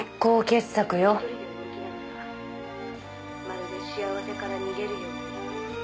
「まるで幸せから逃げるように」